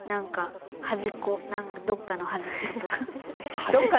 どっかのはじっことか。